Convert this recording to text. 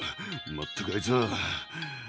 まったくあいつは！